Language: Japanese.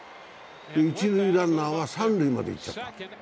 一塁ランナーは三塁まで行っちゃった。